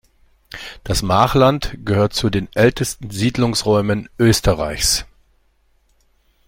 Das Machland gehört zu den ältesten Siedlungsräumen Österreichs.